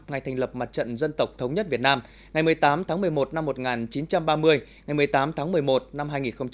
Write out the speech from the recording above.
ngày thành lập mặt trận dân tộc thống nhất việt nam ngày một mươi tám tháng một mươi một năm một nghìn chín trăm ba mươi ngày một mươi tám tháng một mươi một năm hai nghìn hai mươi